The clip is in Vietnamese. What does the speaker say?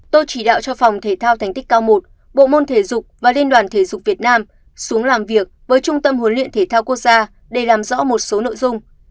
tôi chỉ đạo cho phòng thể thao thành tích cao một bộ môn thể dục và liên đoàn thể dục việt nam xuống làm việc với trung tâm huấn luyện thể thao quốc gia để làm rõ một số nội dung